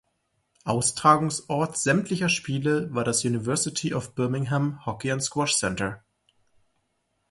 Austragungsort sämtlicher Spiele war das University of Birmingham Hockey and Squash Centre.